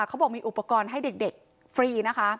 เขาบอกมีอุปกรณ์ให้เด็กฟรีนะคะ